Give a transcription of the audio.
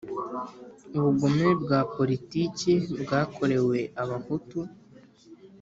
Ubugome bwa poritiki bwakorewe Abahutu